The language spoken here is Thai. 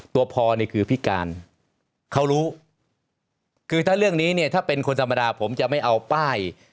ตัวพอนี่คือพิการเขารู้คือถ้าเรื่องนี้เนี่ยถ้าเป็นคนธรรมดาผมจะไม่เอาป้าย